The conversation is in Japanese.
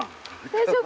大丈夫？